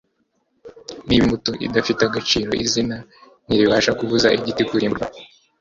Niba imbuto idafite agaciro izina ntiribasha kubuza igiti kurimburwa.